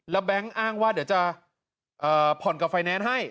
แล้วแบงค์อ้างว่าเดี๋ยวจะผ่อนกับไฟแนนซ์ให้